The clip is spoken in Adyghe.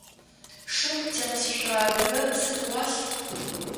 Шым темысышъурэ адыгэ сыд ыуас?